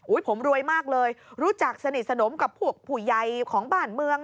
ผมรวยมากเลยรู้จักสนิทสนมกับพวกผู้ใหญ่ของบ้านเมือง